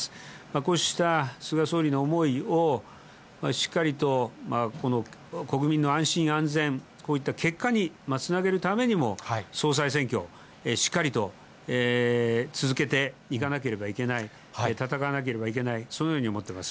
こうした菅総理の思いを、しっかりと国民の安心安全、こういった結果につなげるためにも、総裁選挙、しっかりと続けていかなければいけない、戦わなければいけない、そのように思ってます。